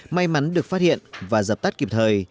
may mắn được phát hiện và dập tắt kịp thời